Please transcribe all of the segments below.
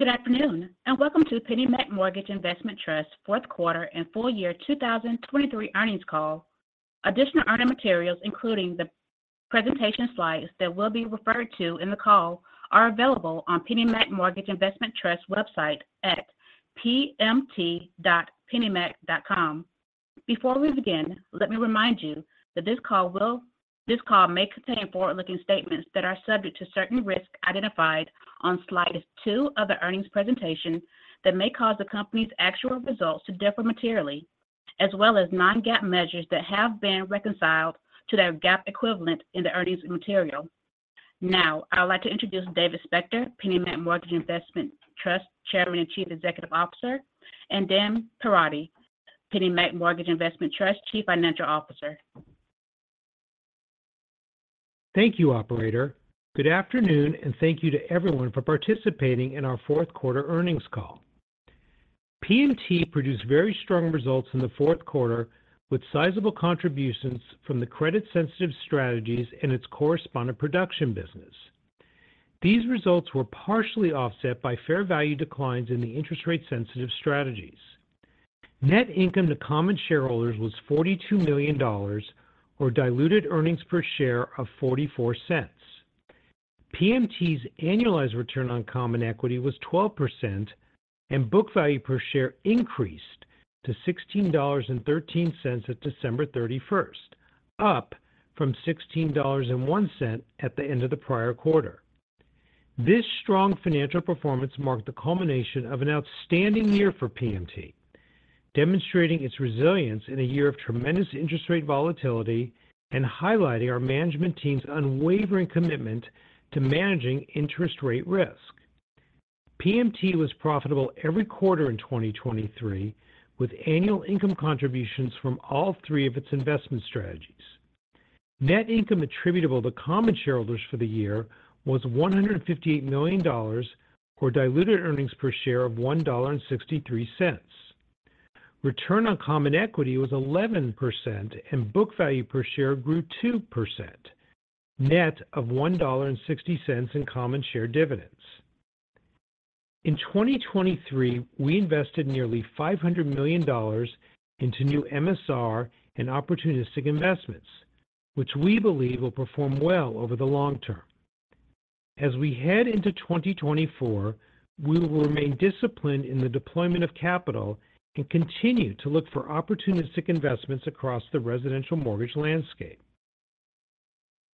Good afternoon, and welcome to PennyMac Mortgage Investment Trust fourth quarter and full year 2023 earnings call. Additional earning materials, including the presentation slides that will be referred to in the call, are available on PennyMac Mortgage Investment Trust website at pmt.pennymac.com. Before we begin, let me remind you that this call may contain forward-looking statements that are subject to certain risks identified on slide 2 of the earnings presentation, that may cause the company's actual results to differ materially, as well as non-GAAP measures that have been reconciled to their GAAP equivalent in the earnings material. Now, I would like to introduce David Spector, PennyMac Mortgage Investment Trust Chairman and Chief Executive Officer, and Dan Perotti, PennyMac Mortgage Investment Trust Chief Financial Officer. Thank you, operator. Good afternoon, and thank you to everyone for participating in our fourth quarter earnings call. PMT produced very strong results in the fourth quarter, with sizable contributions from the credit-sensitive strategies and its correspondent production business. These results were partially offset by fair value declines in the interest rate-sensitive strategies. Net income to common shareholders was $42 million, or diluted earnings per share of $0.44. PMT's annualized return on common equity was 12%, and book value per share increased to $16.13 at December 31st, up from $16.01 at the end of the prior quarter. This strong financial performance marked the culmination of an outstanding year for PMT, demonstrating its resilience in a year of tremendous interest rate volatility and highlighting our management team's unwavering commitment to managing interest rate risk. PMT was profitable every quarter in 2023, with annual income contributions from all three of its investment strategies. Net income attributable to common shareholders for the year was $158 million, or diluted earnings per share of $1.63. Return on common equity was 11%, and book value per share grew 2%, net of $1.60 in common share dividends. In 2023, we invested nearly $500 million into new MSR and opportunistic investments, which we believe will perform well over the long term. As we head into 2024, we will remain disciplined in the deployment of capital and continue to look for opportunistic investments across the residential mortgage landscape.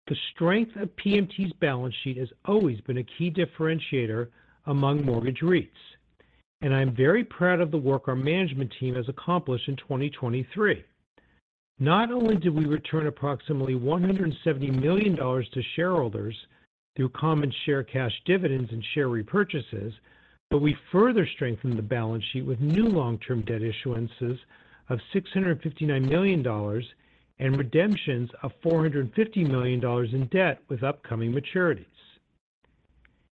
The strength of PMT's balance sheet has always been a key differentiator among mortgage REITs, and I'm very proud of the work our management team has accomplished in 2023. Not only did we return approximately $170 million to shareholders through common share, cash dividends, and share repurchases, but we further strengthened the balance sheet with new long-term debt issuances of $659 million and redemptions of $450 million in debt with upcoming maturities.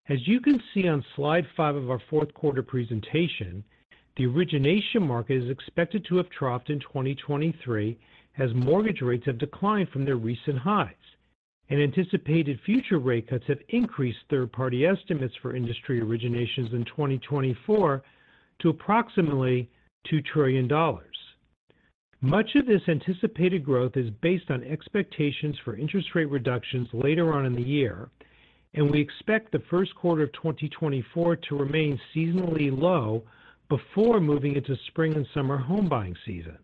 As you can see on slide 5 of our fourth quarter presentation, the origination market is expected to have troughed in 2023, as mortgage rates have declined from their recent highs, and anticipated future rate cuts have increased third-party estimates for industry originations in 2024 to approximately $2 trillion. Much of this anticipated growth is based on expectations for interest rate reductions later on in the year, and we expect the first quarter of 2024 to remain seasonally low before moving into spring and summer home buying season.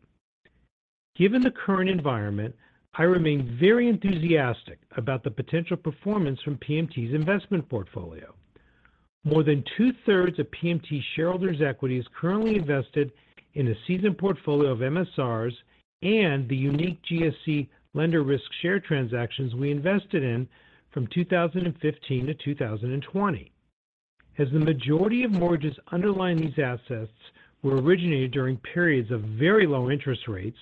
Given the current environment, I remain very enthusiastic about the potential performance from PMT's investment portfolio. More than 2/3 of PMT's shareholders' equity is currently invested in a seasoned portfolio of MSRs and the unique GSE lender risk share transactions we invested in from 2015 to 2020. As the majority of mortgages underlying these assets were originated during periods of very low interest rates,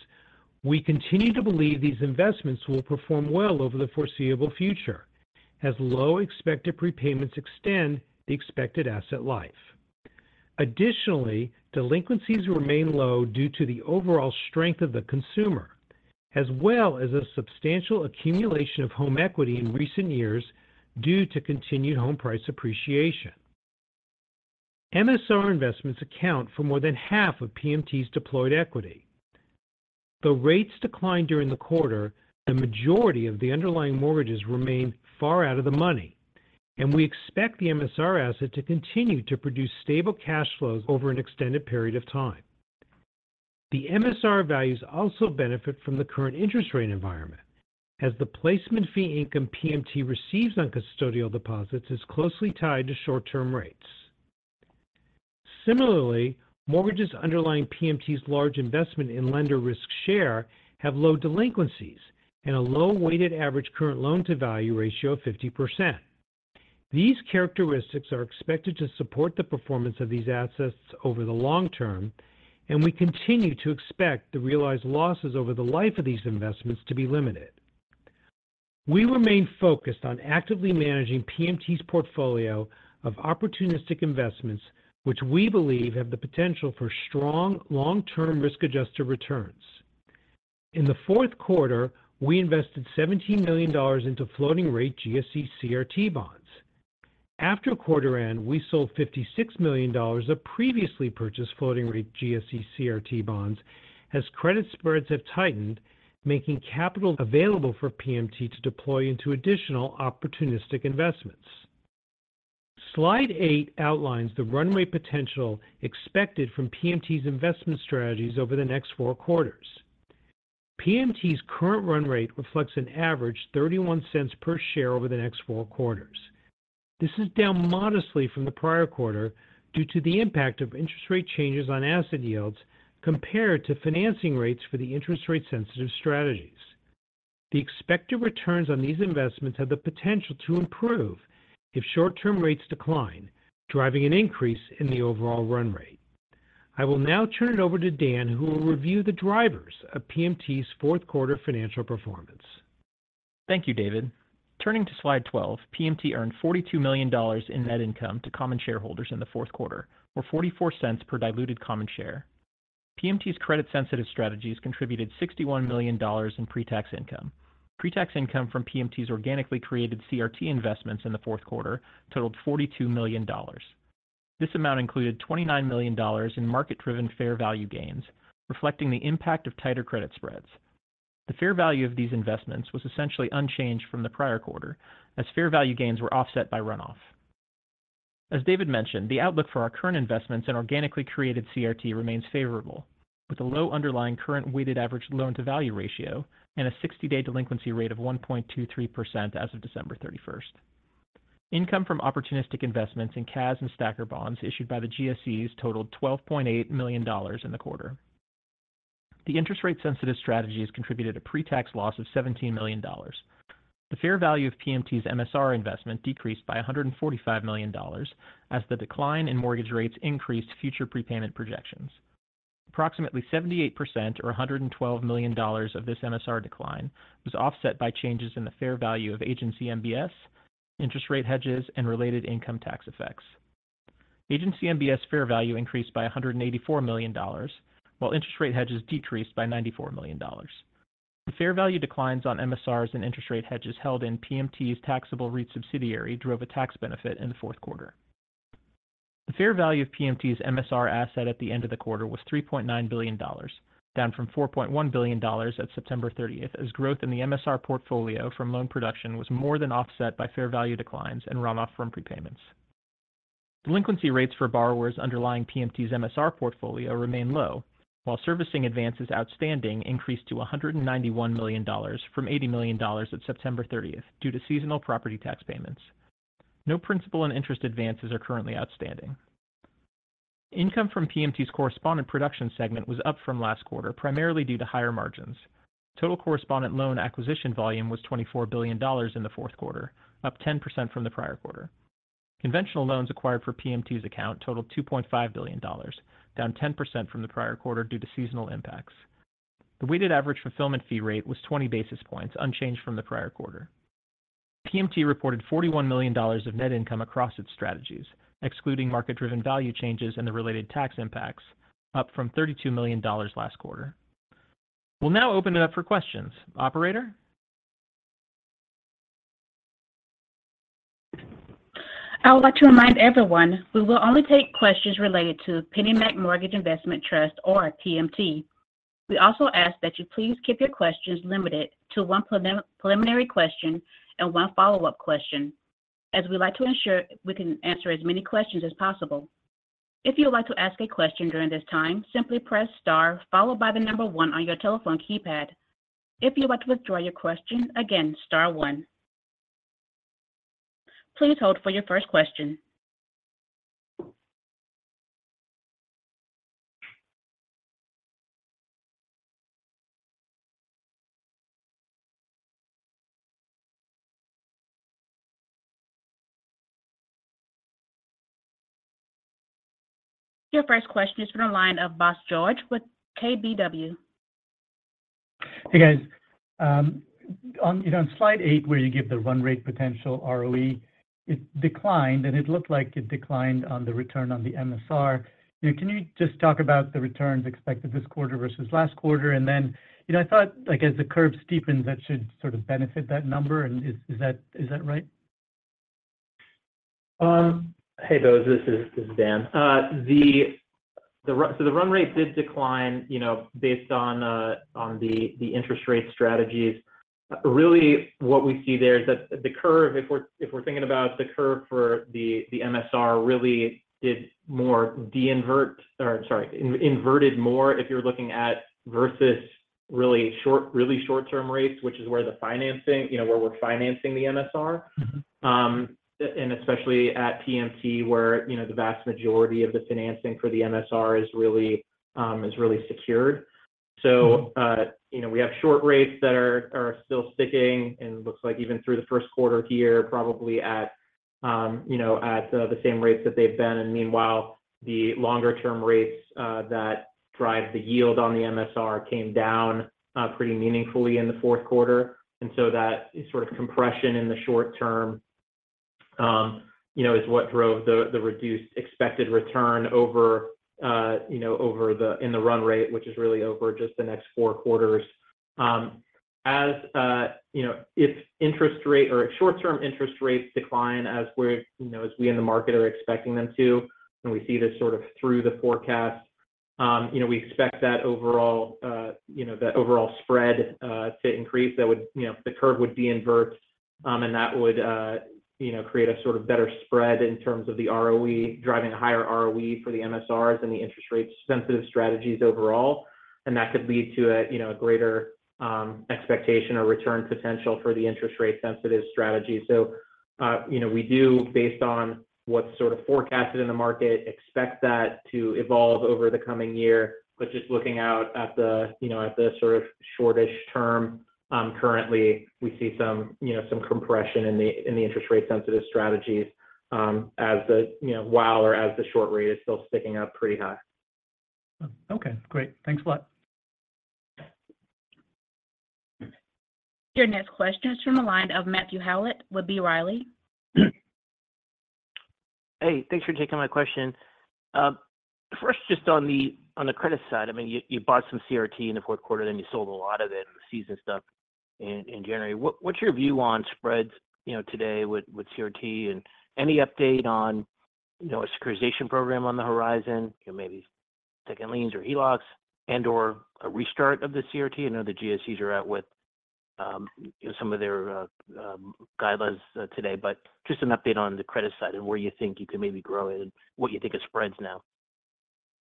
we continue to believe these investments will perform well over the foreseeable future, as low expected prepayments extend the expected asset life. Additionally, delinquencies remain low due to the overall strength of the consumer, as well as a substantial accumulation of home equity in recent years due to continued home price appreciation. MSR investments account for more than half of PMT's deployed equity. The rates declined during the quarter. The majority of the underlying mortgages remain far out of the money, and we expect the MSR asset to continue to produce stable cash flows over an extended period of time. The MSR values also benefit from the current interest rate environment, as the placement fee income PMT receives on custodial deposits is closely tied to short-term rates. Similarly, mortgages underlying PMT's large investment in lender risk share have low delinquencies and a low weighted average current loan-to-value ratio of 50%. These characteristics are expected to support the performance of these assets over the long term, and we continue to expect the realized losses over the life of these investments to be limited. We remain focused on actively managing PMT's portfolio of opportunistic investments, which we believe have the potential for strong, long-term, risk-adjusted returns. In the fourth quarter, we invested $17 million into floating-rate GSE CRT bonds. After quarter end, we sold $56 million of previously purchased floating-rate GSE CRT bonds, as credit spreads have tightened, making capital available for PMT to deploy into additional opportunistic investments. Slide 8 outlines the run rate potential expected from PMT's investment strategies over the next four quarters. PMT's current run rate reflects an average $0.31 per share over the next four quarters. This is down modestly from the prior quarter due to the impact of interest rate changes on asset yields compared to financing rates for the interest rate-sensitive strategies. The expected returns on these investments have the potential to improve if short-term rates decline, driving an increase in the overall run rate. I will now turn it over to Dan, who will review the drivers of PMT's fourth quarter financial performance. Thank you, David. Turning to slide 12, PMT earned $42 million in net income to common shareholders in the fourth quarter, or $0.44 per diluted common share. PMT's credit-sensitive strategies contributed $61 million in pretax income. Pretax income from PMT's organically created CRT investments in the fourth quarter totaled $42 million. This amount included $29 million in market-driven fair value gains, reflecting the impact of tighter credit spreads. The fair value of these investments was essentially unchanged from the prior quarter, as fair value gains were offset by runoff. As David mentioned, the outlook for our current investments in organically created CRT remains favorable, with a low underlying current weighted average loan-to-value ratio and a 60-day delinquency rate of 1.23% as of December 31. Income from opportunistic investments in CAS and STACR bonds issued by the GSEs totaled $12.8 million in the quarter. The interest rate-sensitive strategies contributed a pretax loss of $17 million. The fair value of PMT's MSR investment decreased by $145 million, as the decline in mortgage rates increased future prepayment projections. Approximately 78%, or $112 million of this MSR decline, was offset by changes in the fair value of Agency MBS, interest rate hedges, and related income tax effects. Agency MBS fair value increased by $184 million, while interest rate hedges decreased by $94 million. The fair value declines on MSRs and interest rate hedges held in PMT's taxable REIT subsidiary drove a tax benefit in the fourth quarter. The fair value of PMT's MSR asset at the end of the quarter was $3.9 billion, down from $4.1 billion at September 30, as growth in the MSR portfolio from loan production was more than offset by fair value declines and run-off from prepayments. Delinquency rates for borrowers underlying PMT's MSR portfolio remain low, while servicing advances outstanding increased to $191 million from $80 million at September 30 due to seasonal property tax payments. No principal and interest advances are currently outstanding. Income from PMT's correspondent production segment was up from last quarter, primarily due to higher margins. Total correspondent loan acquisition volume was $24 billion in the fourth quarter, up 10% from the prior quarter. Conventional loans acquired for PMT's account totaled $2.5 billion, down 10% from the prior quarter due to seasonal impacts. The weighted average fulfillment fee rate was 20 basis points, unchanged from the prior quarter. PMT reported $41 million of net income across its strategies, excluding market-driven value changes and the related tax impacts, up from $32 million last quarter. We'll now open it up for questions. Operator? I would like to remind everyone, we will only take questions related to PennyMac Mortgage Investment Trust or PMT. We also ask that you please keep your questions limited to one preliminary question and one follow-up question, as we like to ensure we can answer as many questions as possible. If you would like to ask a question during this time, simply press star, followed by the number one on your telephone keypad. If you'd like to withdraw your question, again, star one. Please hold for your first question. Your first question is from the line of Bose George with KBW. Hey, guys. On, you know, on slide 8, where you give the run rate potential ROE, it declined, and it looked like it declined on the return on the MSR. Can you just talk about the returns expected this quarter versus last quarter? And then, you know, I thought, like, as the curve steepens, that should sort of benefit that number. And is that right? Hey, Bose, this is Dan. The run rate did decline, you know, based on the interest rate strategies. Really, what we see there is that the curve, if we're thinking about the curve for the MSR, really did more deinvert - or sorry, inverted more if you're looking at versus really short, really short-term rates, which is where the financing, you know, where we're financing the MSR. Mm-hmm. And especially at PMT, where, you know, the vast majority of the financing for the MSR is really secured. So, you know, we have short rates that are still sticking, and it looks like even through the first quarter here, probably at, you know, at the same rates that they've been. And meanwhile, the longer-term rates that drive the yield on the MSR came down pretty meaningfully in the fourth quarter. And so that sort of compression in the short term, you know, is what drove the reduced expected return over, you know, over the, in the run rate, which is really over just the next four quarters. As, you know, if interest rate or short-term interest rates decline, as we're, you know, as we in the market are expecting them to, and we see this sort of through the forecast, you know, we expect that overall, you know, the overall spread to increase. That would, you know, the curve would be inverse, and that would, you know, create a sort of better spread in terms of the ROE, driving a higher ROE for the MSRs and the interest rate-sensitive strategies overall. And that could lead to a, you know, a greater expectation or return potential for the interest rate-sensitive strategy. So, you know, we do, based on what's sort of forecasted in the market, expect that to evolve over the coming year. Just looking out at the, you know, at the sort of short-ish term, currently, we see some, you know, some compression in the, in the interest rate-sensitive strategies, as the, you know, while or as the short rate is still sticking up pretty high. Okay, great. Thanks a lot. Your next question is from the line of Matthew Howlett with B. Riley. Hey, thanks for taking my question. First, just on the credit side, I mean, you bought some CRT in the fourth quarter, then you sold a lot of it in the seasoned stuff in January. What's your view on spreads, you know, today with CRT? And any update on, you know, a securitization program on the horizon, you know, maybe second liens or HELOCs and/or a restart of the CRT? I know the GSEs are out with, you know, some of their guidelines today, but just an update on the credit side and where you think you could maybe grow it and what you think of spreads now.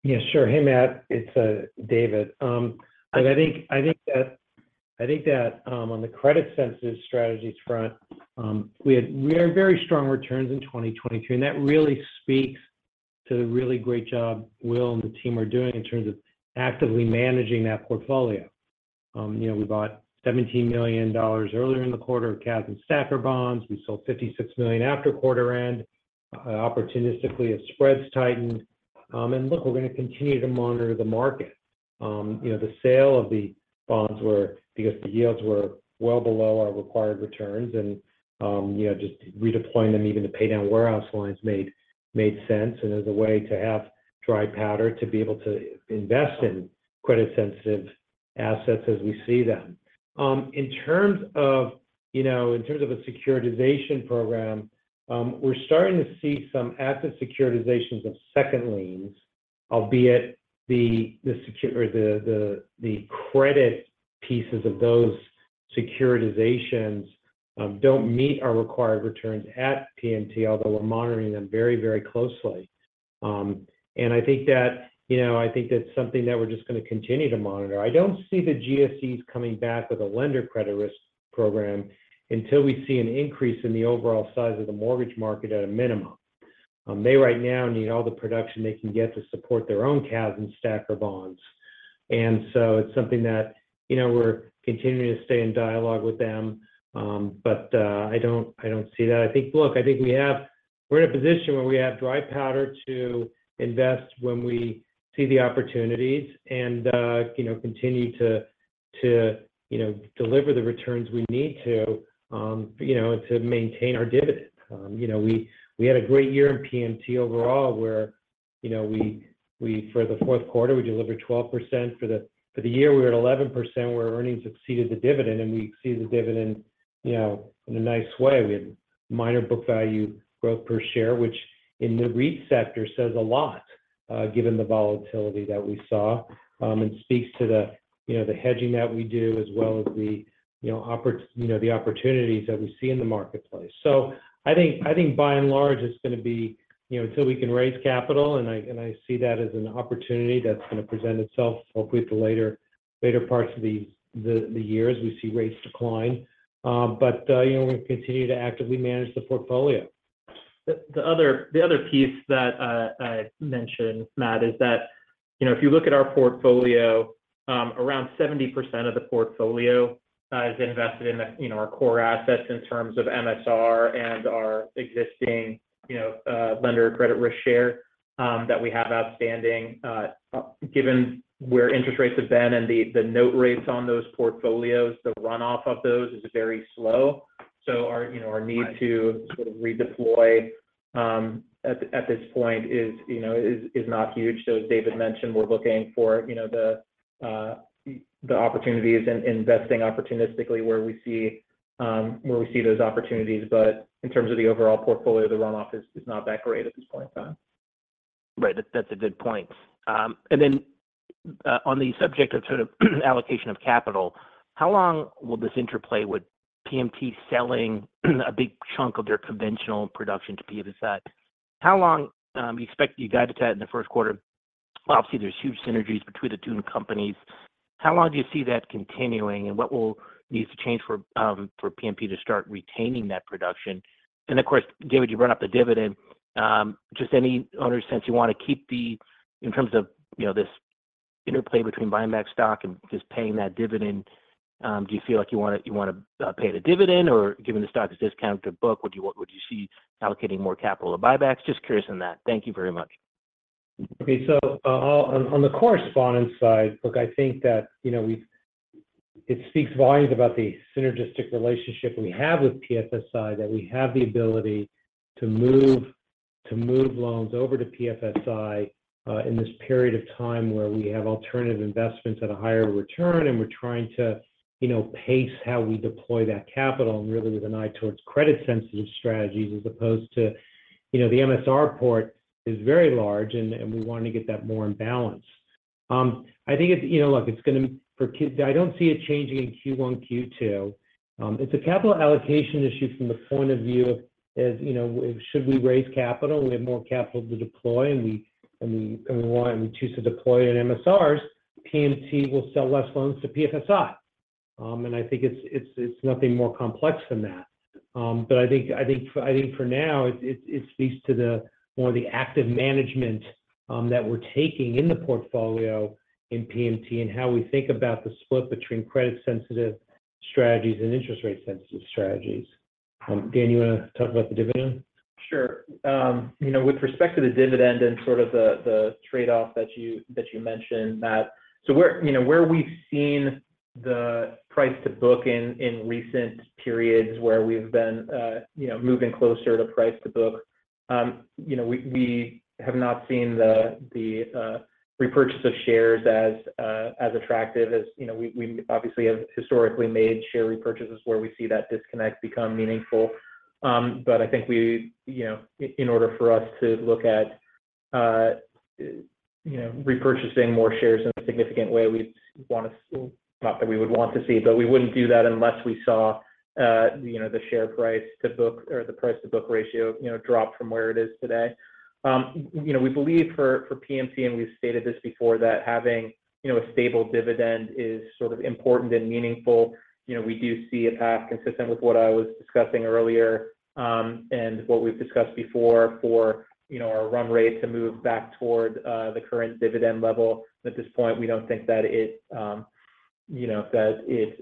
Yeah, sure. Hey, Matt, it's David. I think that on the credit-sensitive strategies front, we had very strong returns in 2023, and that really speaks to the really great job Will and the team are doing in terms of actively managing that portfolio. You know, we bought $17 million earlier in the quarter of CAS and STACR bonds. We sold $56 million after quarter end. Opportunistically, as spreads tightened. And look, we're going to continue to monitor the market. You know, the sale of the bonds were because the yields were well below our required returns, and, you know, just redeploying them even to pay down warehouse lines made sense and as a way to have dry powder to be able to invest in credit-sensitive assets as we see them. In terms of, you know, in terms of a securitization program, we're starting to see some asset securitizations of second liens, albeit the credit pieces of those securitizations don't meet our required returns at PMT, although we're monitoring them very, very closely. And I think that, you know, I think that's something that we're just going to continue to monitor. I don't see the GSEs coming back with a lender credit risk program until we see an increase in the overall size of the mortgage market at a minimum. They right now need all the production they can get to support their own CAS and STACR bonds. And so it's something that, you know, we're continuing to stay in dialogue with them. But I don't see that. I think, look, I think we have we're in a position where we have dry powder to invest when we see the opportunities and, you know, continue to you know deliver the returns we need to, you know, to maintain our dividend. You know, we had a great year in PMT overall, where you know we for the fourth quarter, we delivered 12%. For the year, we were at 11%, where earnings exceeded the dividend, and we exceeded the dividend, you know, in a nice way. We had minor book value growth per share, which in the REIT sector says a lot, given the volatility that we saw, and speaks to the you know the hedging that we do, as well as the you know the opportunities that we see in the marketplace. So I think by and large, it's going to be, you know, until we can raise capital, and I see that as an opportunity that's going to present itself hopefully at the later parts of the year as we see rates decline. But you know, we continue to actively manage the portfolio. The other piece that I'd mention, Matt, is that, you know, if you look at our portfolio, around 70% of the portfolio is invested in, you know, our core assets in terms of MSR and our existing, you know, lender risk share that we have outstanding. Given where interest rates have been and the note rates on those portfolios, the runoff of those is very slow. So our, you know, our need to sort of redeploy at this point is, you know, not huge. So as David mentioned, we're looking for, you know, the opportunities and investing opportunistically where we see those opportunities. But in terms of the overall portfolio, the runoff is not that great at this point in time. Right. That's, that's a good point. And then, on the subject of sort of allocation of capital, how long will this interplay with PMT selling a big chunk of their conventional production to PFSI? How long, do you expect-- you guided that in the first quarter? Obviously, there's huge synergies between the two companies. How long do you see that continuing, and what will need to change for, for PMT to start retaining that production? And of course, David, you brought up the dividend. Just any owner sense you want to keep the... in terms of, you know, this interplay between buying back stock and just paying that dividend, do you feel like you want to, you want to, pay the dividend? Or given the stock is discounted to book, would you want-- would you see allocating more capital to buybacks? Just curious on that. Thank you very much. Okay. So, on the correspondent side, look, I think that, you know, It speaks volumes about the synergistic relationship we have with PFSI, that we have the ability to move, to move loans over to PFSI, in this period of time where we have alternative investments at a higher return, and we're trying to, you know, pace how we deploy that capital, and really with an eye towards credit-sensitive strategies, as opposed to, you know, the MSR portfolio is very large, and we want to get that more in balance. I think it's, you know, look, it's gonna, I don't see it changing in Q1, Q2. It's a capital allocation issue from the point of view of, as, you know, should we raise capital? We have more capital to deploy, and we want – and we choose to deploy it in MSRs, PMT will sell less loans to PFSI. And I think it's nothing more complex than that. But I think for now, it speaks to the more active management that we're taking in the portfolio in PMT and how we think about the split between credit-sensitive strategies and interest rate-sensitive strategies. Dan, you want to talk about the dividend? Sure. You know, with respect to the dividend and sort of the trade-off that you mentioned, Matt. So where, you know, where we've seen the price-to-book in recent periods, where we've been, you know, moving closer to price-to-book, you know, we have not seen the repurchase of shares as attractive as, you know, we obviously have historically made share repurchases where we see that disconnect become meaningful. But I think we, you know, in order for us to look at, you know, repurchasing more shares in a significant way, we'd want to. Not that we would want to see, but we wouldn't do that unless we saw, you know, the share price-to-book or the price-to-book ratio, you know, drop from where it is today. You know, we believe for PMT, and we've stated this before, that having, you know, a stable dividend is sort of important and meaningful. You know, we do see a path consistent with what I was discussing earlier, and what we've discussed before for, you know, our run rate to move back toward the current dividend level. At this point, we don't think that it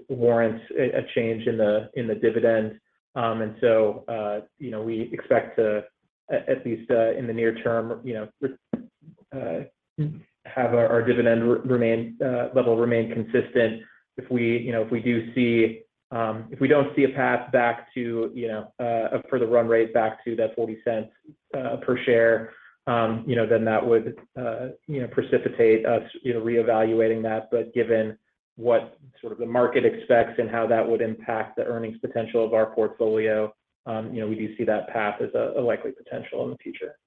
warrants a change in the dividend. And so, you know, we expect to, at least, in the near term, you know, have our dividend remain level remain consistent. If we, you know, if we do see, if we don't see a path back to, you know, a further run rate back to that $0.40 per share, you know, then that would, you know, precipitate us, you know, reevaluating that. But given what sort of the market expects and how that would impact the earnings potential of our portfolio, you know, we do see that path as a, a likely potential in the future.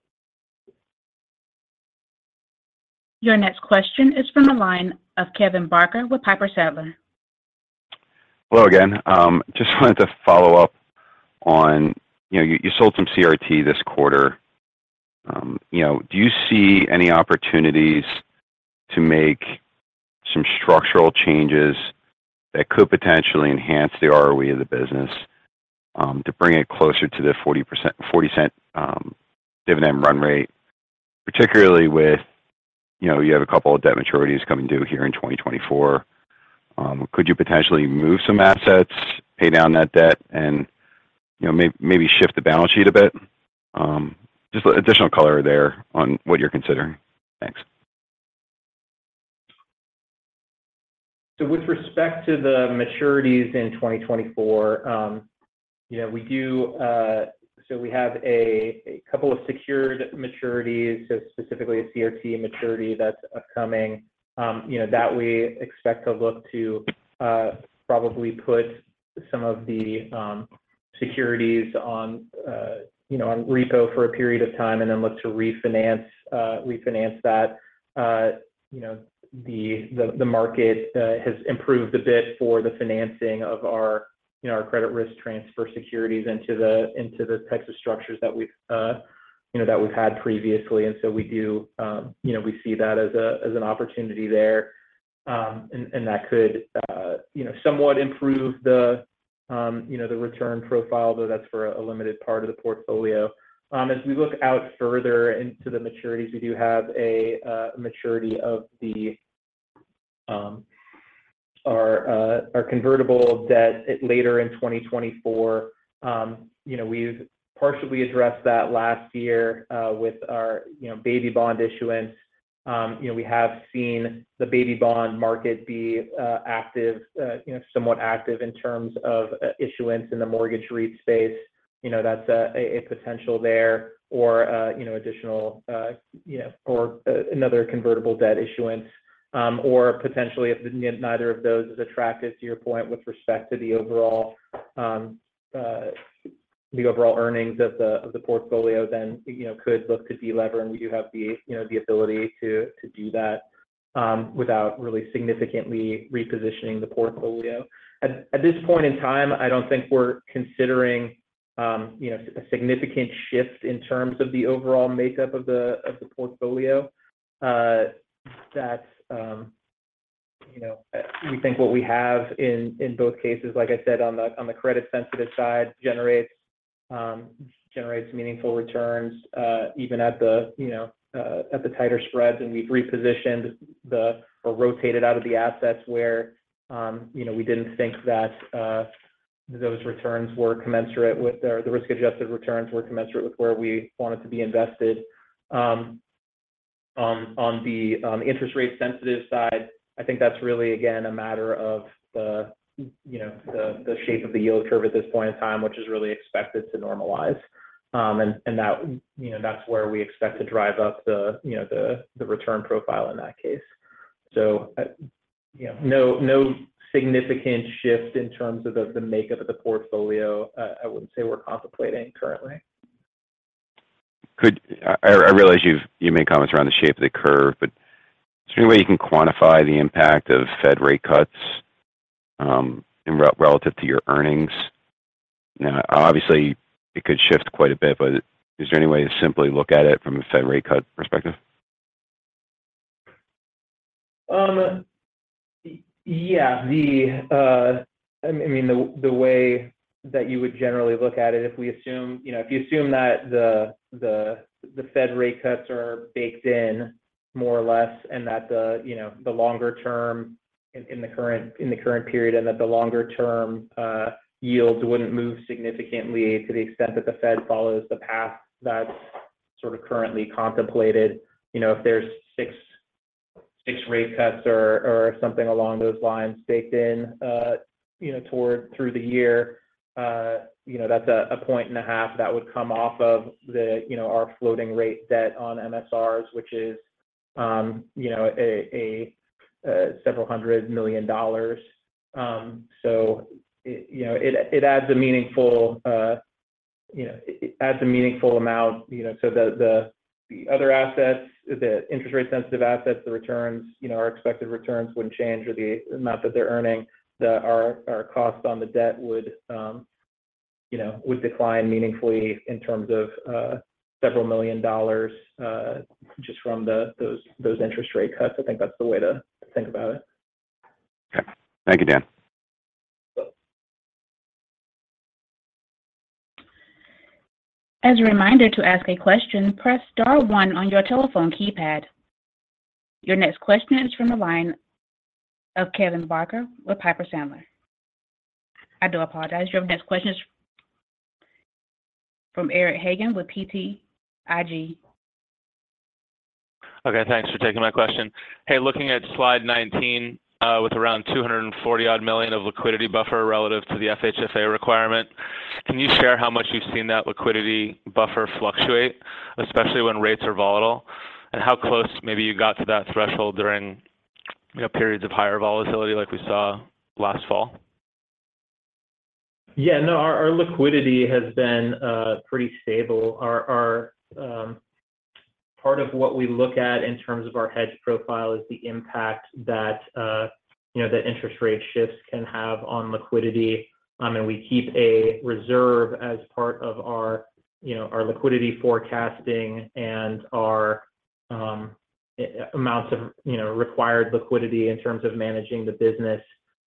Your next question is from the line of Kevin Barker with Piper Sandler. Hello again. Just wanted to follow up on, you know, you sold some CRT this quarter. You know, do you see any opportunities to make some structural changes that could potentially enhance the ROE of the business, to bring it closer to the $0.40 dividend run rate, particularly with, you know, you have a couple of debt maturities coming due here in 2024. Could you potentially move some assets, pay down that debt, and, you know, maybe shift the balance sheet a bit? Just additional color there on what you're considering. Thanks. So with respect to the maturities in 2024, you know, we do. So we have a couple of secured maturities, so specifically a CRT maturity that's upcoming. You know, that we expect to look to probably put some of the securities on, you know, on repo for a period of time and then look to refinance refinance that. You know, the market has improved a bit for the financing of our, you know, our credit risk transfer securities into the types of structures that we've, you know, that we've had previously. And so we do, you know, we see that as a as an opportunity there. And that could, you know, somewhat improve the, you know, the return profile, though that's for a limited part of the portfolio. As we look out further into the maturities, we do have a maturity of our convertible debt later in 2024. You know, we've partially addressed that last year with our baby bond issuance. You know, we have seen the baby bond market be active, you know, somewhat active in terms of issuance in the mortgage REIT space. You know, that's a potential there or, you know, additional, you know, or another convertible debt issuance. Or potentially, if neither of those is attractive, to your point, with respect to the overall earnings of the portfolio, then, you know, could look to delever, and we do have the ability to do that without really significantly repositioning the portfolio. At this point in time, I don't think we're considering, you know, a significant shift in terms of the overall makeup of the portfolio. That's, you know, we think what we have in both cases, like I said, on the credit-sensitive side, generates meaningful returns, even at the tighter spreads. And we've repositioned or rotated out of the assets where, you know, we didn't think that those returns were commensurate with the risk-adjusted returns were commensurate with where we wanted to be invested. On the interest rate sensitive side, I think that's really, again, a matter of the, you know, the shape of the yield curve at this point in time, which is really expected to normalize. And that, you know, that's where we expect to drive up the, you know, the return profile in that case. So, you know, no significant shift in terms of the makeup of the portfolio, I wouldn't say we're contemplating currently. Could I realize you've made comments around the shape of the curve, but is there any way you can quantify the impact of Fed rate cuts relative to your earnings? Now, obviously, it could shift quite a bit, but is there any way to simply look at it from a Fed rate cut perspective? Yeah. I mean, the way that you would generally look at it, if we assume, you know, if you assume that the Fed rate cuts are baked in more or less, and that the longer term in the current period, and that the longer term yields wouldn't move significantly to the extent that the Fed follows the path that's sort of currently contemplated. You know, if there's 6 rate cuts or something along those lines baked in, you know, toward through the year, you know, that's 1.5 that would come off of our floating rate debt on MSRs, which is, you know, several hundred million dollars. So it adds a meaningful amount, you know, so the other assets, the interest rate sensitive assets, the returns, you know, our expected returns wouldn't change, or the amount that they're earning, our cost on the debt would, you know, decline meaningfully in terms of several million dollars, just from those interest rate cuts. I think that's the way to think about it. Okay. Thank you, Dan. As a reminder, to ask a question, press star one on your telephone keypad. Your next question is from the line of Kevin Barker with Piper Sandler. I do apologize. Your next question is from Eric Hagen with BTIG. Okay, thanks for taking my question. Hey, looking at slide 19, with around $240-odd million of liquidity buffer relative to the FHFA requirement, can you share how much you've seen that liquidity buffer fluctuate, especially when rates are volatile? And how close maybe you got to that threshold during, you know, periods of higher volatility like we saw last fall? Yeah, no, our liquidity has been pretty stable. Our... Part of what we look at in terms of our hedge profile is the impact that, you know, the interest rate shifts can have on liquidity. And we keep a reserve as part of our, you know, our liquidity forecasting and our, amounts of, you know, required liquidity in terms of managing the business,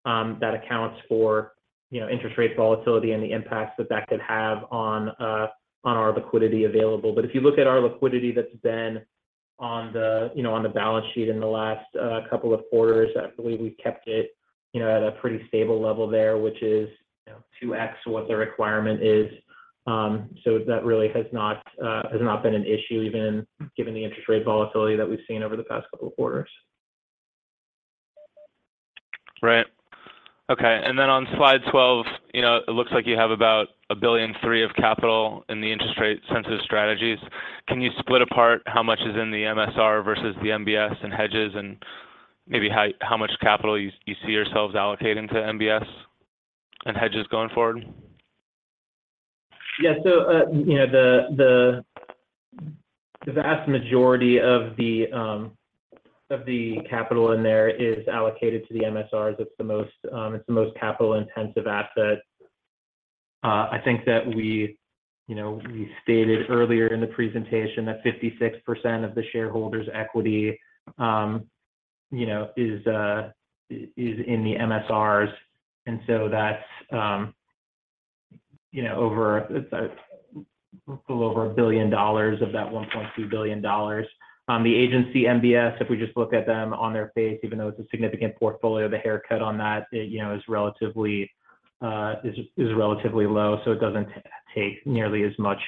that accounts for, you know, interest rate volatility and the impact that that could have on, on our liquidity available. But if you look at our liquidity that's been on the, you know, on the balance sheet in the last, couple of quarters, I believe we've kept it, you know, at a pretty stable level there, which is, you know, 2x what the requirement is. So that really has not been an issue, even given the interest rate volatility that we've seen over the past couple of quarters. Right. Okay, and then on slide 12, you know, it looks like you have about $1.3 billion of capital in the interest rate sensitive strategies. Can you split apart how much is in the MSR versus the MBS and hedges, and maybe how much capital you see yourselves allocating to MBS and hedges going forward? Yeah. So, you know, the vast majority of the capital in there is allocated to the MSRs. It's the most capital-intensive asset. I think that we, you know, we stated earlier in the presentation that 56% of the shareholders' equity, you know, is in the MSRs, and so that's, you know, over a little over $1 billion of that $1.2 billion. The Agency MBS, if we just look at them on their face, even though it's a significant portfolio, the haircut on that, you know, is relatively low, so it doesn't take nearly as much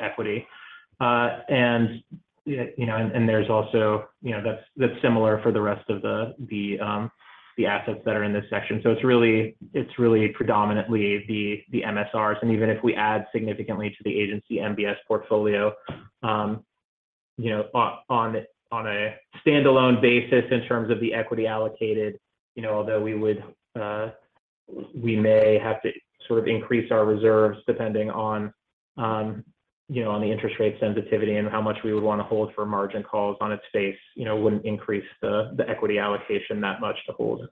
equity. And, you know, and there's also... You know, that's, that's similar for the rest of the, the, the assets that are in this section. So it's really, it's really predominantly the, the MSRs. And even if we add significantly to the Agency MBS portfolio, you know, on, on, on a standalone basis in terms of the equity allocated, you know, although we would, we may have to sort of increase our reserves, depending on, you know, on the interest rate sensitivity and how much we would want to hold for margin calls on its face, you know, wouldn't increase the, the equity allocation that much to hold,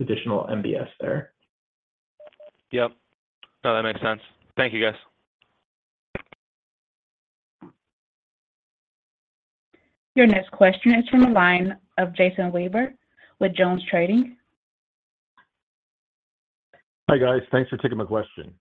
additional MBS there. Yep. No, that makes sense. Thank you, guys. Your next question is from the line of Jason Weaver with JonesTrading. Hi, guys. Thanks for taking my question.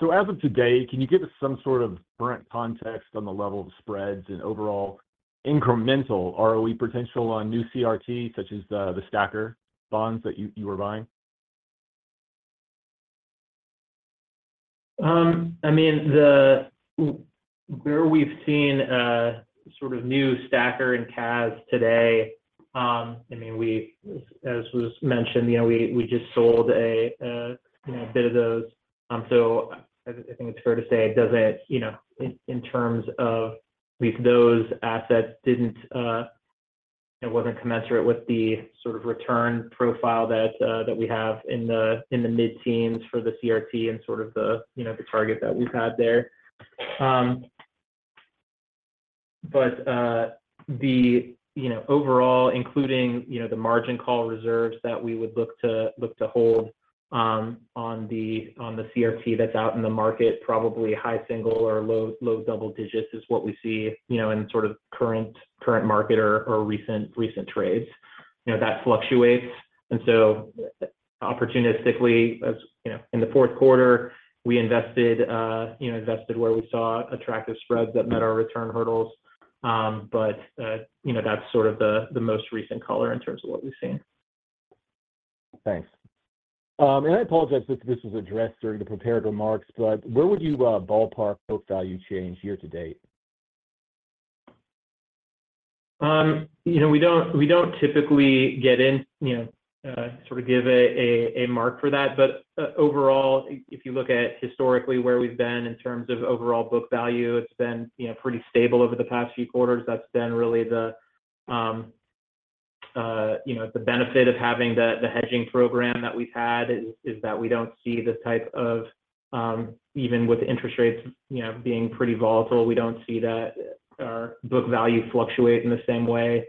So as of today, can you give us some sort of current context on the level of spreads and overall incremental ROE potential on new CRT, such as the STACR bonds that you were buying? I mean, where we've seen a sort of new STACR in CAS today, I mean, we, as was mentioned, you know, we just sold a, you know, a bit of those. So I think it's fair to say it doesn't, you know, in terms with those assets, didn't, it wasn't commensurate with the sort of return profile that, that we have in the mid-teens for the CRT and sort of the, you know, the target that we've had there. But you know, overall, including you know, the margin call reserves that we would look to hold on the CRT that's out in the market, probably high single or low double digits is what we see you know, in sort of current market or recent trades. You know, that fluctuates, and so opportunistically, as you know, in the fourth quarter, we invested you know, invested where we saw attractive spreads that met our return hurdles. But you know, that's sort of the most recent color in terms of what we've seen. Thanks. I apologize if this was addressed during the prepared remarks, but where would you ballpark book value change year to date? You know, we don't, we don't typically get in, you know, sort of give a mark for that. But overall, if you look at historically where we've been in terms of overall book value, it's been, you know, pretty stable over the past few quarters. That's been really the, you know, the benefit of having the hedging program that we've had, is that we don't see this type of, even with interest rates, you know, being pretty volatile, we don't see that our book value fluctuate in the same way,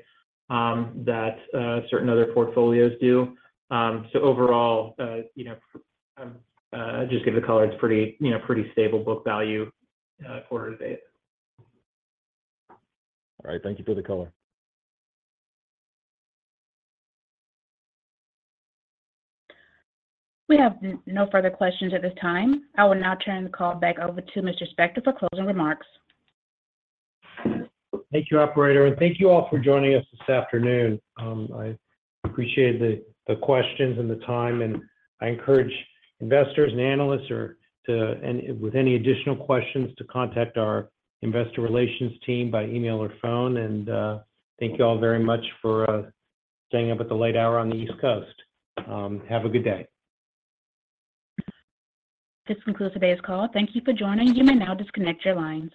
that certain other portfolios do. So overall, you know, just give the color, it's pretty, you know, pretty stable book value, quarter to date. All right. Thank you for the color. We have no further questions at this time. I will now turn the call back over to Mr. Spector for closing remarks. Thank you, operator, and thank you all for joining us this afternoon. I appreciate the questions and the time, and I encourage investors and analysts to contact our investor relations team with any additional questions by email or phone. Thank you all very much for staying up at the late hour on the East Coast. Have a good day. This concludes today's call. Thank you for joining. You may now disconnect your lines.